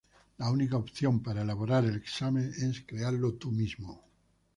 La única opción para elaborar el examen es crearlo tú mismo.